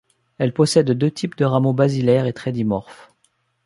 Elle possède deux types de rameaux basilaires et très dimorphes.